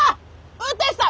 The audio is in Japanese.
運転手さん